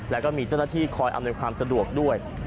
แล้วก็มีเจ้าหน้าที่คอยอำนวยความสะดวกด้วย